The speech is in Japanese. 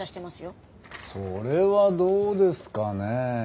それはどうですかね。